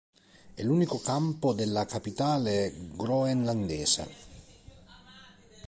È l'unico campo della capitale groenlandese.